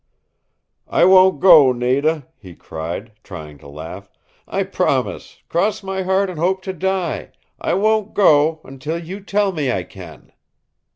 "I won't go, Nada," he cried, trying to laugh. "I promise cross my heart and hope to die! I won't go until you tell me I can."